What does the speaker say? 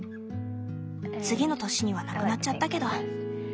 次の年にはなくなっちゃったけど。